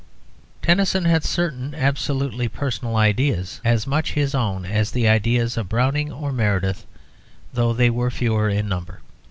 Tennyson had certain absolutely personal ideas, as much his own as the ideas of Browning or Meredith, though they were fewer in number.